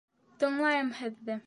— Тыңлайым һеҙҙе...